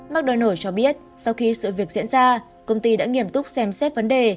mcdonald s cho biết sau khi sự việc diễn ra công ty đã nghiêm túc xem xét vấn đề